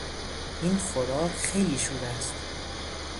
این خوراک خیلی شور است.